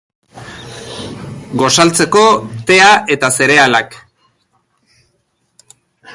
Gosaltzeko, tea eta zerealak.